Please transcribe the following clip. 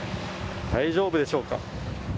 大丈夫でしょうか。